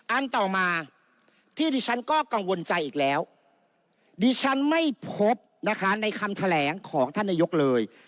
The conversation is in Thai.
อันต่อมาที่ดิฉันก็กังวลใจอีกแล้วดิฉันไม่พบนะคะในคำแถลงของท่านนายกเลย